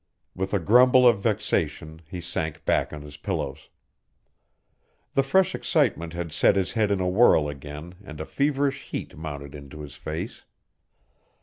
With a grumble of vexation he sank back on his pillows. The fresh excitement had set his head in a whirl again and a feverish heat mounted into his face.